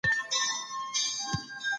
رښتيا به تل بريالي وي.